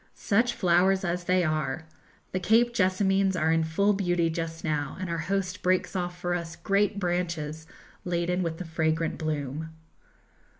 Such flowers as they are! The Cape jessamines are in full beauty just now, and our host breaks off for us great branches laden with the fragrant bloom.